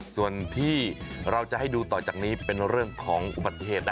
ส่วนที่เราจะให้ดูต่อจากนี้เป็นเรื่องของอุบัติเหตุ